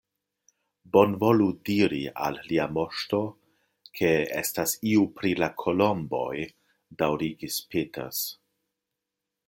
Bonvolu diri al Lia Moŝto, ke estas iu pri la kolomboj, daŭrigis Peters.